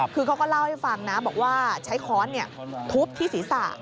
คือเขาก็เล่าให้ฟังนะบอกว่าใช้ค้อนทุบที่ศีรษะ